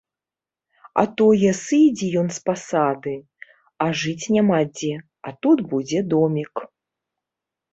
А тое сыдзе ён з пасады, а жыць няма дзе, а тут будзе домік.